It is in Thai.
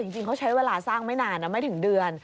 จริงเขาใช้เวลาสร้างไม่นานนะไม่ถึงเดือน